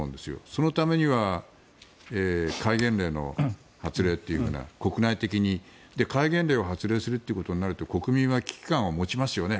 そのためには戒厳令の発令というのが国内的に。戒厳令を発令するとなると国民は危機感を持ちますよね